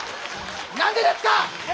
何でですか！